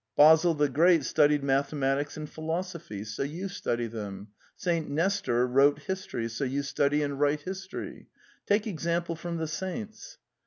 Basil the Great studied mathematics and philosophy —so you study them; St. Nestor wrote history — so you study and write history. 'Take example from the saints."